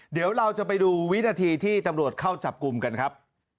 เดี๋ยวเราจะไปดูวินาทีที่ตำรวจเข้าจับกลุ่มกันครับ